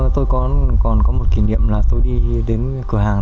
tôi còn có một kỷ niệm là tôi đi đến cửa hàng